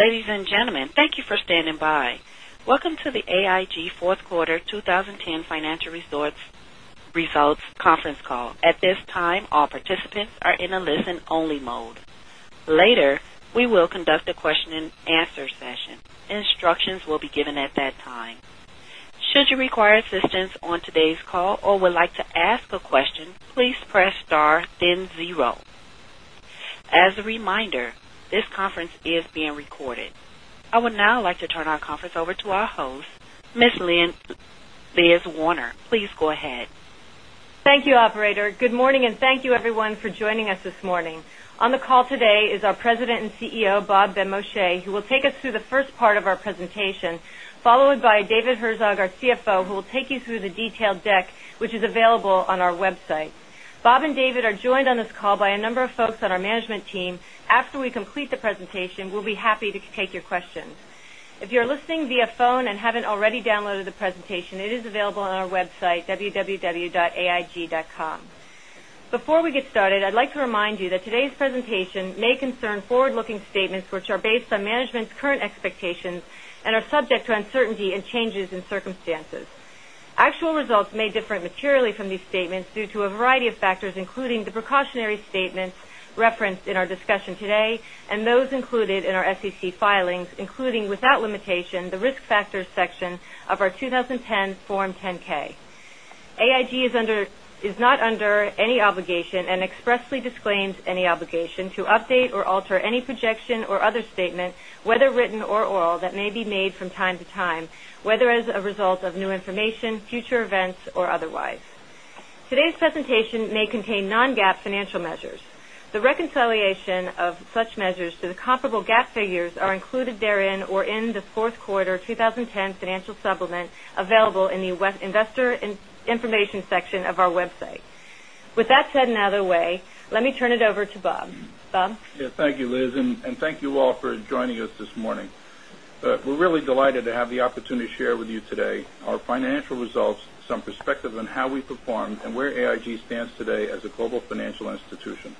Ladies and gentlemen, thank you for standing by. Welcome to the AIG Fourth Quarter 2010 financial results conference call. At this time, all participants are in a listen-only mode. Later, we will conduct a question and answer session. Instructions will be given at that time. Should you require assistance on today's call or would like to ask a question, please press star then zero. As a reminder, this conference is being recorded. I would now like to turn our conference over to our host, Ms. Elizabeth Werner. Please go ahead. Thank you, operator. Good morning. Thank you everyone for joining us this morning. On the call today is our President and CEO, Robert Benmosche, who will take us through the first part of our presentation, followed by David Herzog, our CFO, who will take you through the detailed deck, which is available on our website. Bob and David are joined on this call by a number of folks on our management team. After we complete the presentation, we'll be happy to take your questions. If you're listening via phone and haven't already downloaded the presentation, it is available on our website, www.aig.com. Before we get started, I'd like to remind you that today's presentation may concern forward-looking statements which are based on management's current expectations and are subject to uncertainty and changes in circumstances. Actual results may differ materially from these statements due to a variety of factors, including the precautionary statements referenced in our discussion today and those included in our SEC filings, including, without limitation, the Risk Factors section of our 2010 Form 10-K. AIG is not under any obligation and expressly disclaims any obligation to update or alter any projection or other statement, whether written or oral, that may be made from time to time, whether as a result of new information, future events, or otherwise. Today's presentation may contain non-GAAP financial measures. The reconciliation of such measures to the comparable GAAP figures are included therein or in the Fourth Quarter 2010 financial supplement available in the investor information section of our website. With that said and out of the way, let me turn it over to Bob. Bob? Yeah. Thank you, Liz. Thank you all for joining us this morning. We're really delighted to have the opportunity to share with you today our financial results, some perspective on how we performed, and where AIG stands today as a global financial institution.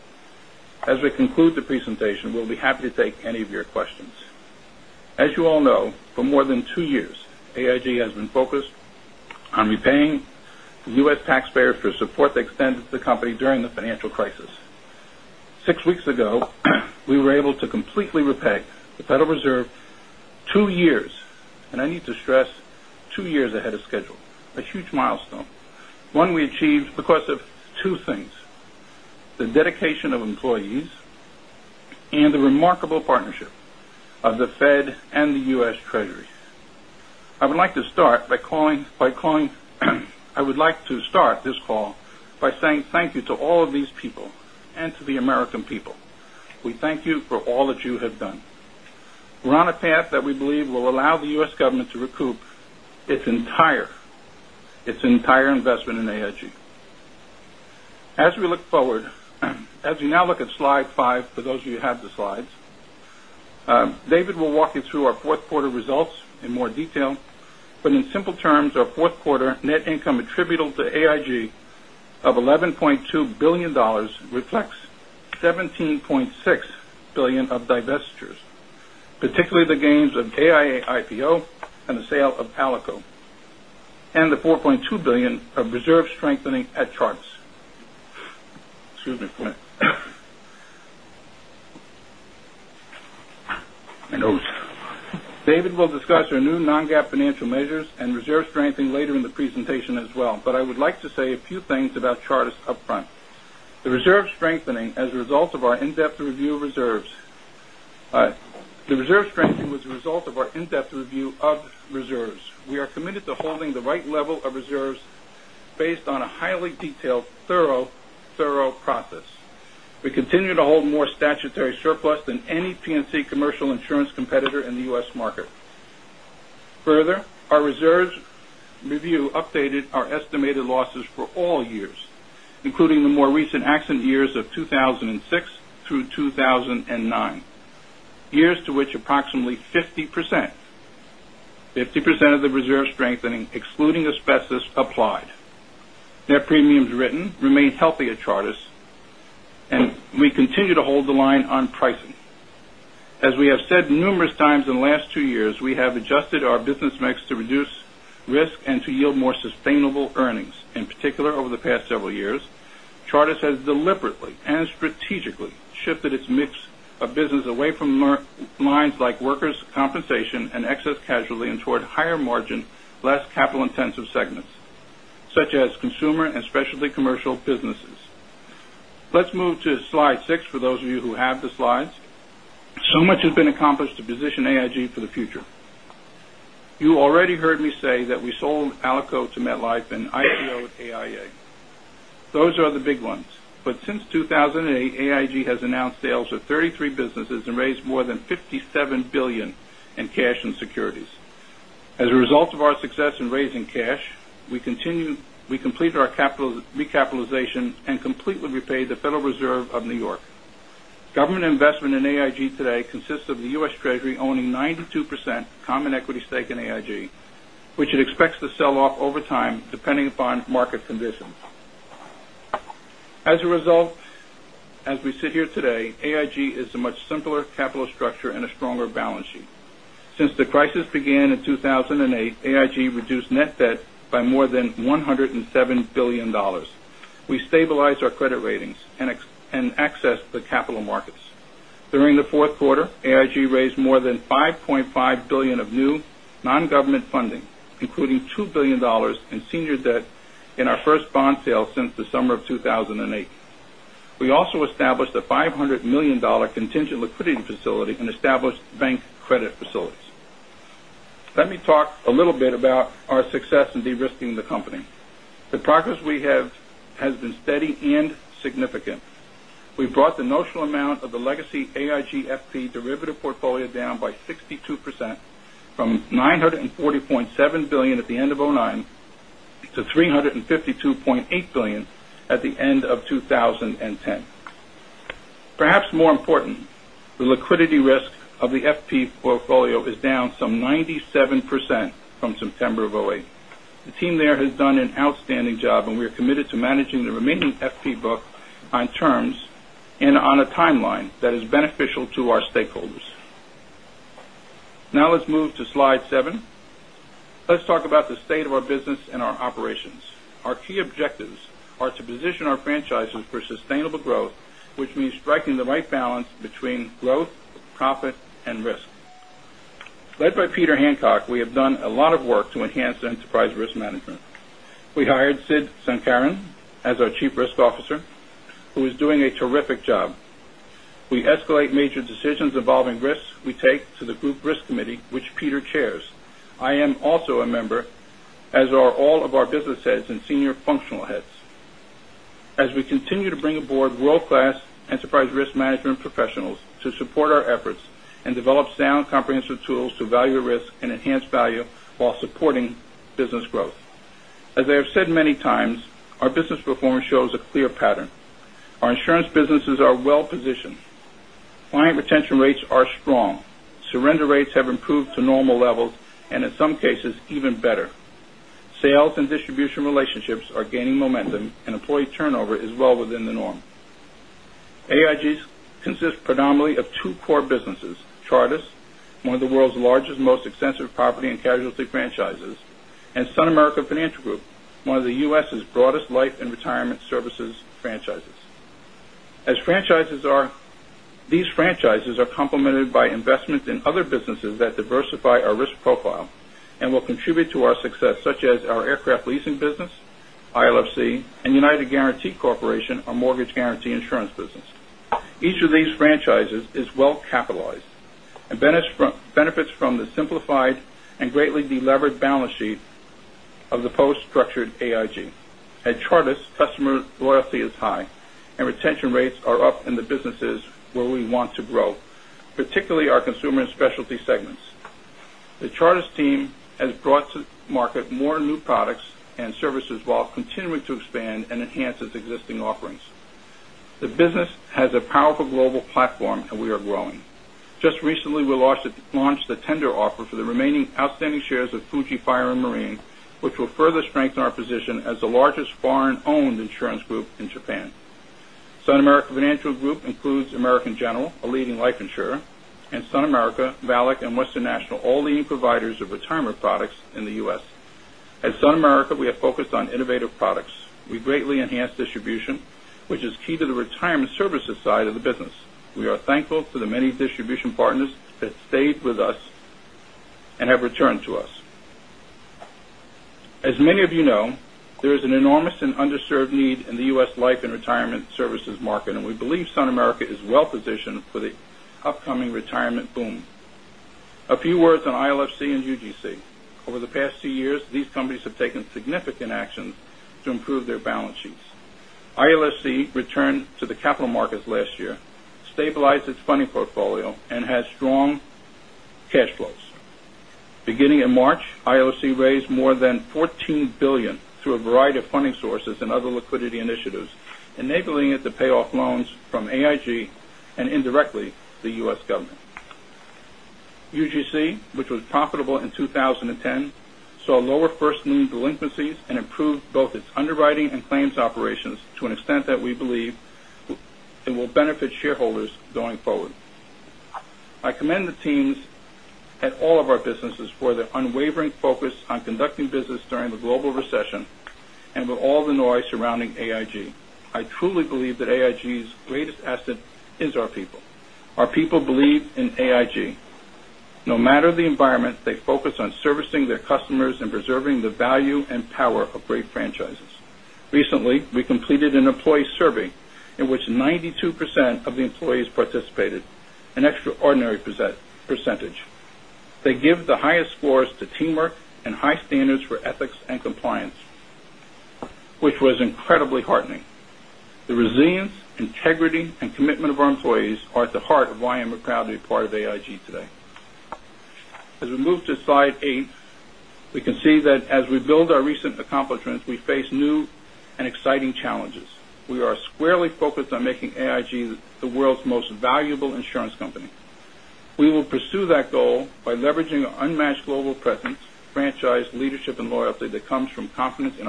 As we conclude the presentation, we'll be happy to take any of your questions. As you all know, for more than 2 years, AIG has been focused on repaying the U.S. taxpayer for support they extended to the company during the financial crisis. 6 weeks ago, we were able to completely repay the Federal Reserve 2 years, and I need to stress, 2 years ahead of schedule. A huge milestone, one we achieved because of two things, the dedication of employees and the remarkable partnership of the Fed and the U.S. Treasury. I would like to start this call by saying thank you to all of these people and to the American people. We thank you for all that you have done. We are on a path that we believe will allow the U.S. government to recoup its entire investment in AIG. As we look forward, as we now look at slide five, for those of you who have the slides, David will walk you through our fourth quarter results in more detail. In simple terms, our fourth quarter net income attributable to AIG of $11.2 billion reflects $17.6 billion of divestitures, particularly the gains of AIA IPO and the sale of Alico, and the $4.2 billion of reserve strengthening at Chartis. Excuse me. My nose. David will discuss our new non-GAAP financial measures and reserve strengthening later in the presentation as well. I would like to say a few things about Chartis up front. The reserve strengthening was a result of our in-depth review of reserves. We are committed to holding the right level of reserves based on a highly detailed, thorough process. We continue to hold more statutory surplus than any P&C commercial insurance competitor in the U.S. market. Further, our reserves review updated our estimated losses for all years, including the more recent accident years of 2006 through 2009. Years to which approximately 50% of the reserve strengthening, excluding asbestos, applied. Net premiums written remains healthy at Chartis, and we continue to hold the line on pricing. As we have said numerous times in the last two years, we have adjusted our business mix to reduce risk and to yield more sustainable earnings. In particular, over the past several years, Chartis has deliberately and strategically shifted its mix of business away from lines like workers' compensation and excess casualty and toward higher margin, less capital-intensive segments, such as consumer and specialty commercial businesses. Let's move to slide six, for those of you who have the slides. So much has been accomplished to position AIG for the future. You already heard me say that we sold Alico to MetLife and IPO'd AIA. Since 2008, AIG has announced sales of 33 businesses and raised more than $57 billion in cash and securities. As a result of our success in raising cash, we completed our recapitalization and completely repaid the Federal Reserve Bank of New York. Government investment in AIG today consists of the U.S. Treasury owning 92% common equity stake in AIG, which it expects to sell off over time, depending upon market conditions. As a result, as we sit here today, AIG is a much simpler capital structure and a stronger balance sheet. Since the crisis began in 2008, AIG reduced net debt by more than $107 billion. We stabilized our credit ratings and accessed the capital markets. During the fourth quarter, AIG raised more than $5.5 billion of new non-government funding, including $2 billion in senior debt in our first bond sale since the summer of 2008. We also established a $500 million contingent liquidity facility and established bank credit facilities. Let me talk a little bit about our success in de-risking the company. The progress we have has been steady and significant. We've brought the notional amount of the legacy AIG FP derivative portfolio down by 62%, from $940.7 billion at the end of 2009 to $352.8 billion at the end of 2010. Perhaps more important, the liquidity risk of the FP portfolio is down some 97% from September of 2008. The team there has done an outstanding job, and we are committed to managing the remaining FP book on terms and on a timeline that is beneficial to our stakeholders. Let's move to slide seven. Let's talk about the state of our business and our operations. Our key objectives are to position our franchises for sustainable growth, which means striking the right balance between growth, profit, and risk. Led by Peter Hancock, we have done a lot of work to enhance enterprise risk management. We hired Sid Sankaran as our Chief Risk Officer, who is doing a terrific job. We escalate major decisions involving risks we take to the group risk committee, which Peter chairs. I am also a member, as are all of our business heads and senior functional heads. As we continue to bring aboard world-class enterprise risk management professionals to support our efforts and develop sound comprehensive tools to value risk and enhance value while supporting business growth. As I have said many times, our business performance shows a clear pattern. Our insurance businesses are well-positioned. Client retention rates are strong. Surrender rates have improved to normal levels and in some cases, even better. Sales and distribution relationships are gaining momentum and employee turnover is well within the norm. AIG consists predominantly of two core businesses, Chartis, one of the world's largest, most extensive property and casualty franchises, and SunAmerica Financial Group, one of the U.S.'s broadest life and retirement services franchises. These franchises are complemented by investments in other businesses that diversify our risk profile and will contribute to our success, such as our aircraft leasing business, ILFC, and United Guaranty Corporation, our mortgage guarantee insurance business. Each of these franchises is well-capitalized and benefits from the simplified and greatly de-levered balance sheet of the post-structured AIG. At Chartis, customer loyalty is high, and retention rates are up in the businesses where we want to grow, particularly our consumer and specialty segments. The Chartis team has brought to market more new products and services while continuing to expand and enhance its existing offerings. The business has a powerful global platform and we are growing. Just recently, we launched the tender offer for the remaining outstanding shares of Fuji Fire and Marine, which will further strengthen our position as the largest foreign-owned insurance group in Japan. SunAmerica Financial Group includes American General, a leading life insurer, and SunAmerica, VALIC, and Western National, all leading providers of retirement products in the U.S. At SunAmerica, we are focused on innovative products. We greatly enhance distribution, which is key to the retirement services side of the business. We are thankful to the many distribution partners that stayed with us and have returned to us. As many of you know, there is an enormous and underserved need in the U.S. life and retirement services market, and we believe SunAmerica is well-positioned for the upcoming retirement boom. A few words on ILFC and UGC. Over the past two years, these companies have taken significant actions to improve their balance sheets. ILFC returned to the capital markets last year, stabilized its funding portfolio, and has strong cash flows. Beginning in March, ILFC raised more than $14 billion through a variety of funding sources and other liquidity initiatives, enabling it to pay off loans from AIG and indirectly, the U.S. government. UGC, which was profitable in 2010, saw lower first lien delinquencies and improved both its underwriting and claims operations to an extent that we believe it will benefit shareholders going forward. I commend the teams at all of our businesses for their unwavering focus on conducting business during the global recession and with all the noise surrounding AIG. I truly believe that AIG's greatest asset is our people. Our people believe in AIG. No matter the environment, they focus on servicing their customers and preserving the value and power of great franchises. Recently, we completed an employee survey in which 92% of the employees participated, an extraordinary percentage. They give the highest scores to teamwork and high standards for ethics and compliance, which was incredibly heartening. The resilience, integrity, and commitment of our employees are at the heart of why I am proud to be a part of AIG today. As we move to slide eight, we can see that as we build our recent accomplishments, we face new and exciting challenges. We are squarely focused on making AIG the world's most valuable insurance company. We will pursue that goal by leveraging our unmatched global presence, franchise leadership, and loyalty that comes from confidence that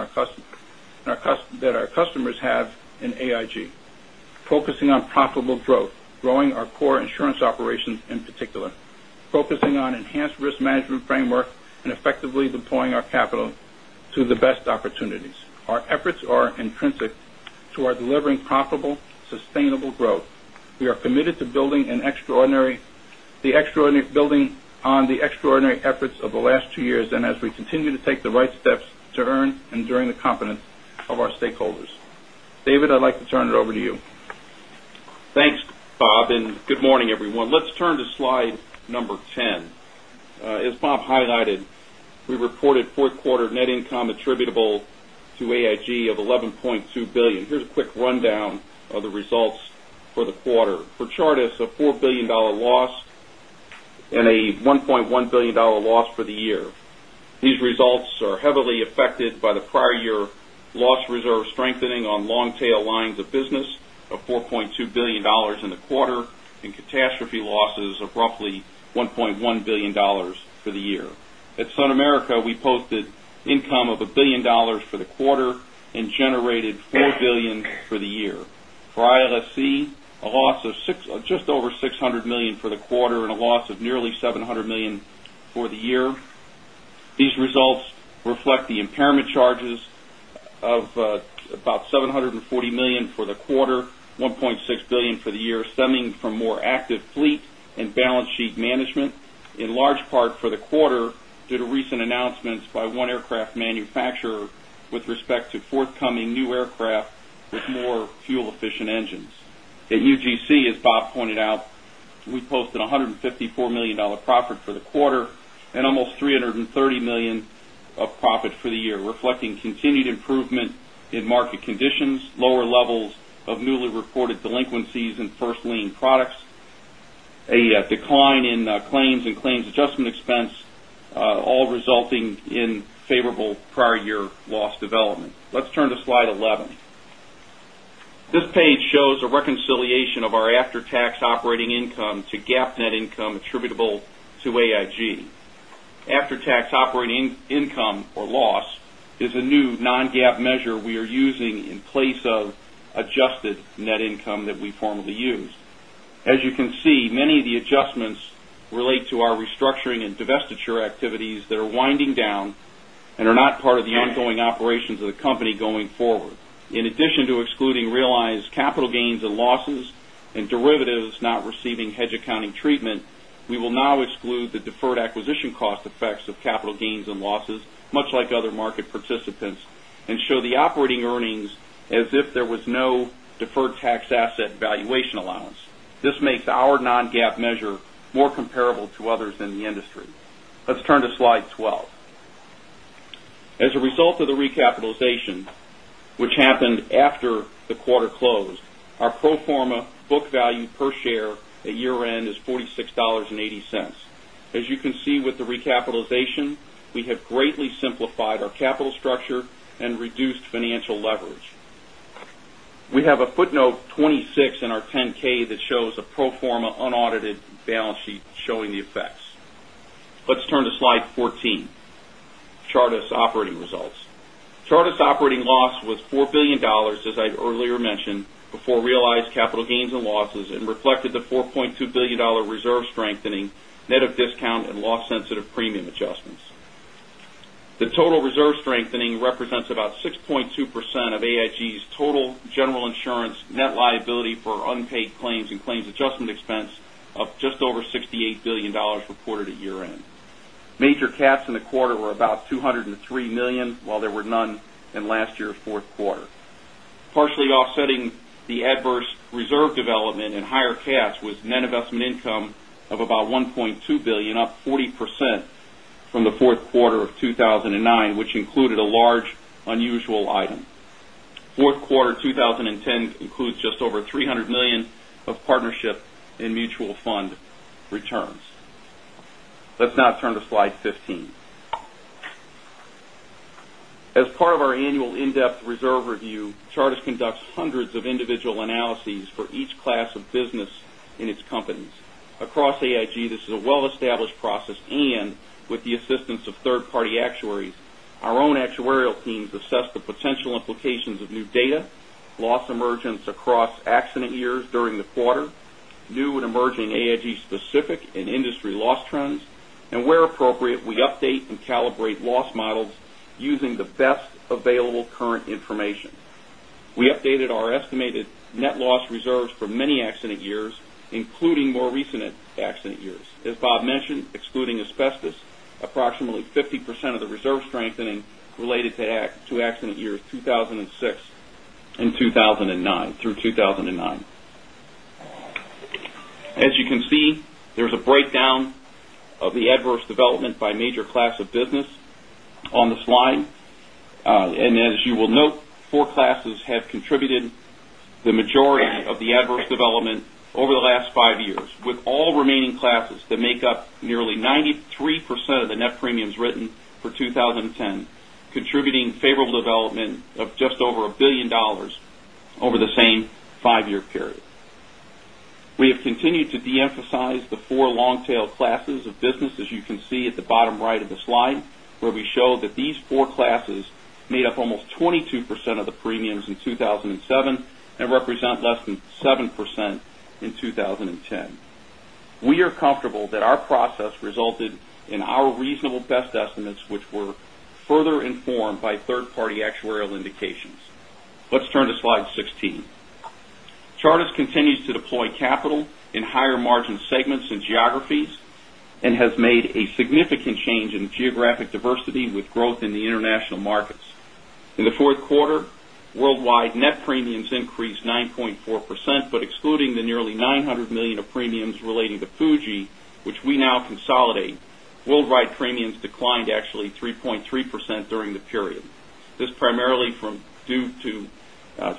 our customers have in AIG. Focusing on profitable growth, growing our core insurance operations, in particular. Focusing on enhanced risk management framework and effectively deploying our capital to the best opportunities. Our efforts are intrinsic to our delivering profitable, sustainable growth. We are committed to building on the extraordinary efforts of the last two years, as we continue to take the right steps to earn enduring the confidence of our stakeholders. David, I'd like to turn it over to you. Thanks, Bob, good morning, everyone. Let's turn to slide number 10. As Bob highlighted, we reported fourth quarter net income attributable to AIG of $11.2 billion. Here's a quick rundown of the results for the quarter. For Chartis, a $4 billion loss and a $1.1 billion loss for the year. These results are heavily affected by the prior year loss reserve strengthening on long-tail lines of business of $4.2 billion in the quarter, and catastrophe losses of roughly $1.1 billion for the year. At SunAmerica, we posted income of $1 billion for the quarter and generated $4 billion for the year. For ILFC, a loss of just over $600 million for the quarter and a loss of nearly $700 million for the year. These results reflect the impairment charges of about $740 million for the quarter, $1.6 billion for the year, stemming from more active fleet and balance sheet management, in large part for the quarter due to recent announcements by one aircraft manufacturer with respect to forthcoming new aircraft with more fuel-efficient engines. At UGC, as Bob pointed out, we posted $154 million profit for the quarter and almost $330 million of profit for the year, reflecting continued improvement in market conditions, lower levels of newly reported delinquencies in first lien products, a decline in claims and claims adjustment expense, all resulting in favorable prior year loss development. Let's turn to slide 11. This page shows a reconciliation of our after-tax operating income to GAAP net income attributable to AIG. After-tax operating income or loss is a new non-GAAP measure we are using in place of adjusted net income that we formerly used. As you can see, many of the adjustments relate to our restructuring and divestiture activities that are winding down and are not part of the ongoing operations of the company going forward. In addition to excluding realized capital gains and losses and derivatives not receiving hedge accounting treatment, we will now exclude the deferred acquisition cost effects of capital gains and losses, much like other market participants, and show the operating earnings as if there was no deferred tax asset valuation allowance. This makes our non-GAAP measure more comparable to others in the industry. Let's turn to slide 12. As a result of the recapitalization, which happened after the quarter closed, our pro forma book value per share at year-end is $46.80. As you can see with the recapitalization, we have greatly simplified our capital structure and reduced financial leverage. We have a footnote 26 in our 10-K that shows a pro forma unaudited balance sheet showing the effects. Let's turn to slide 14, Chartis operating results. Chartis operating loss was $4 billion, as I earlier mentioned, before realized capital gains and losses and reflected the $4.2 billion reserve strengthening net of discount and loss-sensitive premium adjustments. The total reserve strengthening represents about 6.2% of AIG's total general insurance net liability for unpaid claims and claims adjustment expense of just over $68 billion reported at year-end. Major cats in the quarter were about $203 million, while there were none in last year's fourth quarter. Partially offsetting the adverse reserve development and higher cats was net investment income of about $1.2 billion, up 40% from the fourth quarter of 2009, which included a large unusual item. Fourth quarter 2010 includes just over $300 million of partnership in mutual fund returns. Let's now turn to slide 15. As part of our annual in-depth reserve review, Chartis conducts hundreds of individual analyses for each class of business in its companies. Across AIG, this is a well-established process, and with the assistance of third-party actuaries, our own actuarial teams assess the potential implications of new data, loss emergence across accident years during the quarter, new and emerging AIG specific and industry loss trends, and where appropriate, we update and calibrate loss models using the best available current information. We updated our estimated net loss reserves for many accident years, including more recent accident years. As Bob mentioned, excluding asbestos, approximately 50% of the reserve strengthening related to accident years 2006 through 2009. As you can see, there's a breakdown of the adverse development by major class of business on the slide. As you will note, 4 classes have contributed the majority of the adverse development over the last five years. With all remaining classes that make up nearly 93% of the net premiums written for 2010 contributing favorable development of just over $1 billion over the same five-year period. We have continued to de-emphasize the 4 long-tail classes of business, as you can see at the bottom right of the slide, where we show that these 4 classes made up almost 22% of the premiums in 2007 and represent less than 7% in 2010. We are comfortable that our process resulted in our reasonable best estimates, which were further informed by third-party actuarial indications. Let's turn to slide 16. Chartis continues to deploy capital in higher margin segments and geographies and has made a significant change in geographic diversity with growth in the international markets. In the fourth quarter, worldwide net premiums increased 9.4%, but excluding the nearly $900 million of premiums relating to Fuji, which we now consolidate, worldwide premiums declined to actually 3.3% during the period. This is primarily due to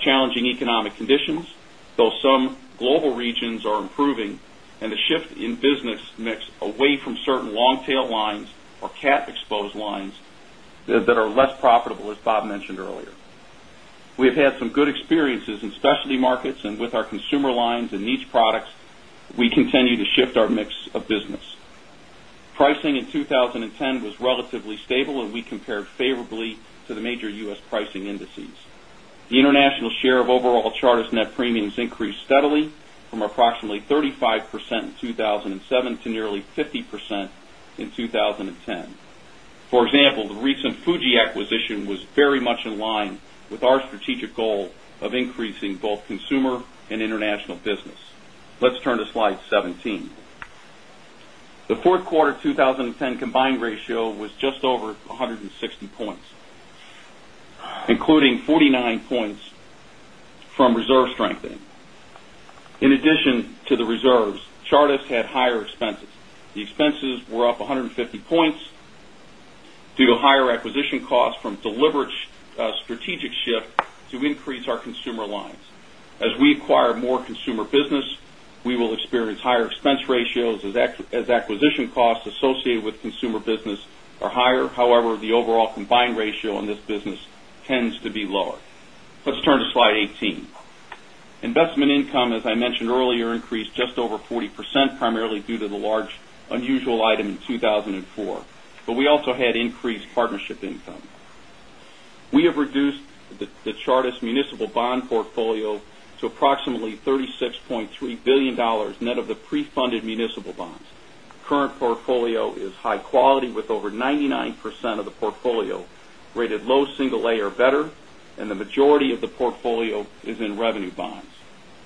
challenging economic conditions, though some global regions are improving and a shift in business mix away from certain long-tail lines or cat-exposed lines that are less profitable, as Bob mentioned earlier. We have had some good experiences in specialty markets and with our consumer lines and niche products. We continue to shift our mix of business. Pricing in 2010 was relatively stable, and we compared favorably to the major U.S. pricing indices. The international share of overall Chartis net premiums increased steadily from approximately 35% in 2007 to nearly 50% in 2010. For example, the recent Fuji acquisition was very much in line with our strategic goal of increasing both consumer and international business. Let's turn to slide 17. The fourth quarter 2010 combined ratio was just over 160 points, including 49 points from reserve strengthening. In addition to the reserves, Chartis had higher expenses. The expenses were up 150 points due to higher acquisition costs from deliberate strategic shift to increase our consumer lines. As we acquire more consumer business, we will experience higher expense ratios as acquisition costs associated with consumer business are higher. However, the overall combined ratio in this business tends to be lower. Let's turn to slide 18. Investment income, as I mentioned earlier, increased just over 40%, primarily due to the large unusual item in 2004. We also had increased partnership income. We have reduced the Chartis municipal bond portfolio to approximately $36.3 billion net of the pre-funded municipal bonds. Current portfolio is high quality, with over 99% of the portfolio rated low single A or better, and the majority of the portfolio is in revenue bonds.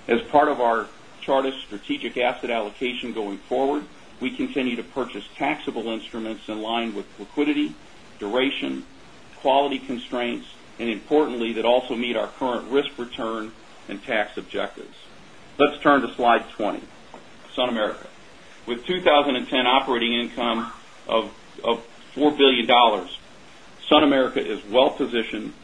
As part of our Chartis strategic asset allocation going forward, we continue to purchase taxable instruments in line with liquidity, duration, quality constraints, and importantly, that also meet our current risk return and tax objectives. Let's turn to slide 20. SunAmerica. With 2010 operating income of $4 billion, SunAmerica is well-positioned